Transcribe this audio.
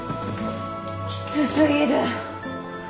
きつ過ぎる！